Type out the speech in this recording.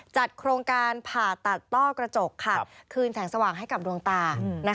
จัดโครงการผ่าตัดต้อกระจกคืนแสงสว่างให้กับดวงตา